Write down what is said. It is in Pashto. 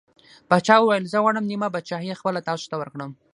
پاچا وویل: زه غواړم نیمه پادشاهي خپله تاسو ته ورکړم.